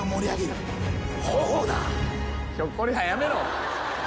ひょっこりはんやめろ。